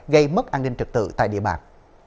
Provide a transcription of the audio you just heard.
gây mất an ninh trực tự tại địa bàn